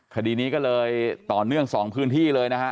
คดีนี้ก็เลยต่อเนื่อง๒พื้นที่เลยนะฮะ